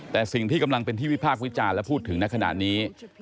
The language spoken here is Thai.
แต่สิ่งที่กำลังเป็นที่วิพากษ์วิจารณ์และพูดถึงในขณะนี้